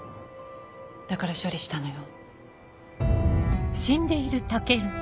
だから処理したのよ。